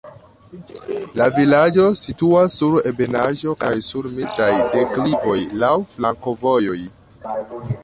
La vilaĝo situas sur ebenaĵo kaj sur mildaj deklivoj laŭ flankovojoj.